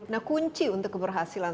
nah kunci untuk keberhasilan